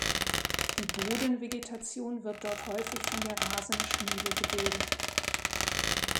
Die Bodenvegetation wird dort häufig von der Rasenschmiele gebildet.